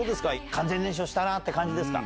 完全燃焼したって感じですか？